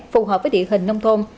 phù hợp với địa hình nông thôn